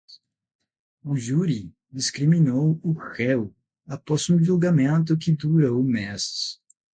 O júri descriminou o réu após um julgamento que durou meses.